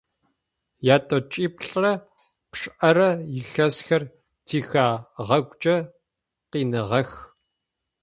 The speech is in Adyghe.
Ятӏокӏиплӏырэ пшӏырэ илъэсхэр тихэгъэгукӏэ къиныгъэх.